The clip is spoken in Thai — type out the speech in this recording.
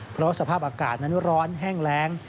เพราะสภาพอากาศนั้นร้อนแห้งแรง